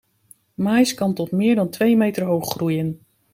Maïs kan tot meer dan twee meter hoog groeien.